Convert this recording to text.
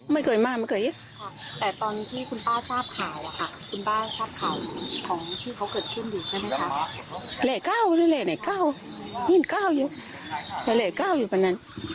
ไม่เกิดมาไม่เกิดเยอะ